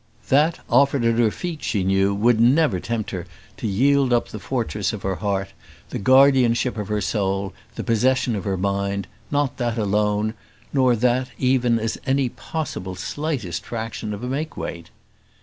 That offered at her feet she knew she would never tempt her to yield up the fortress of her heart, the guardianship of her soul, the possession of her mind; not that alone, nor that, even, as any possible slightest fraction of a make weight.